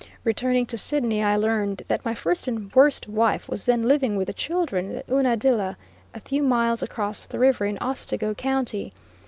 Returning to Sidney I learned that my first and worst wife was then living with the children at Unadilla, a few miles across the river in Otsego County.